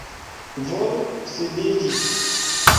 Volu sidiĝi.